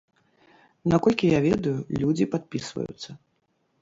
Наколькі я ведаю, людзі падпісваюцца.